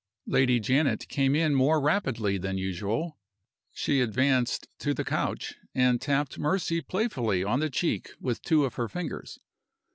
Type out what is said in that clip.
Lady Janet came in more rapidly than usual. She advanced to the couch, and tapped Mercy playfully on the cheek with two of her fingers.